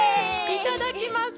いただきます！